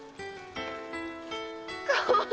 かわいい！